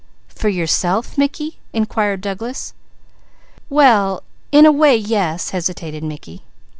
"For yourself, Mickey?" inquired Douglas. "Well in a way, yes," hesitated Mickey.